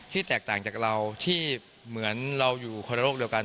แตกต่างจากเราที่เหมือนเราอยู่คนละโลกเดียวกัน